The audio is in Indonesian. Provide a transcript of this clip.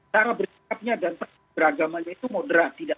cara bersikapnya dan praktik beragamanya itu modera tidak